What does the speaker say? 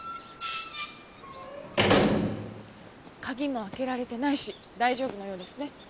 鍵も開けられてないし大丈夫のようですね。